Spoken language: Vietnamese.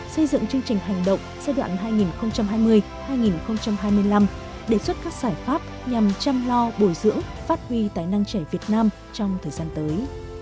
xây dựng chương trình hành động giai đoạn hai nghìn hai mươi hai nghìn hai mươi năm đề xuất các giải pháp nhằm chăm lo bồi dưỡng phát huy tài năng trẻ việt nam trong thời gian tới